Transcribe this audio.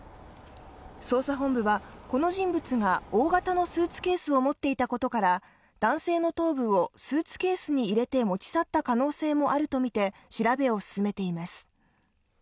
捜査本部は、この人物が、大型のスーツケースを持っていたことから、男性の頭部をスーツケースに入れて持ち去った可能性もあるとみて調べを進めています。